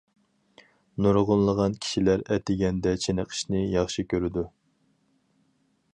نۇرغۇنلىغان كىشىلەر ئەتىگەندە چېنىقىشنى ياخشى كۆرىدۇ.